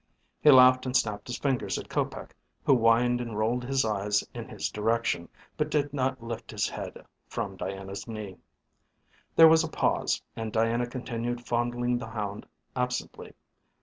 He laughed and snapped his fingers at Kopec, who whined and rolled his eyes in his direction, but did not lift his head from Diana's knee. There was a pause, and Diana continued fondling the hound absently.